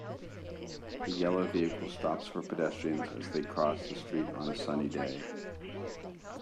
A yellow vehicle stops for pedestrians as they cross the street on a sunny day.